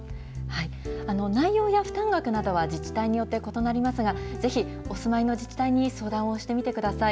内容や負担額などは、自治体によって異なりますが、ぜひお住まいの自治体に相談をしてみてください。